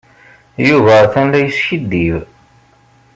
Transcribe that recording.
Yuba atan la yeskiddib.